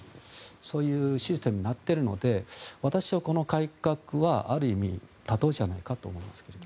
そういうシステムになっているので私はこの改革はある意味妥当じゃないかと思います。